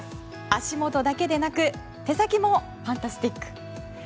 足元だけでなく手先もファンタスティック！